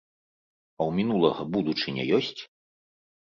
А ў мінулага будучыня ёсць?